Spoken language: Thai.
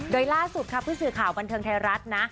โดยล่าสุดค่ะผู้สื่อข่าวบันเทิงไทยรัฐนะ